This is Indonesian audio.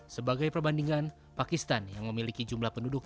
sebagai perbandingan pakistan yang memiliki jumlah penduduk